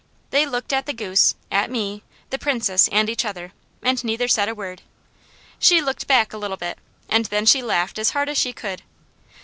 They looked at the goose, at me, the Princess, and each other, and neither said a word. She looked back a little bit, and then she laughed as hard as she could.